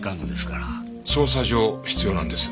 捜査上必要なんです。